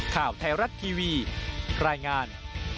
โปรดติดตามตอนต่อไป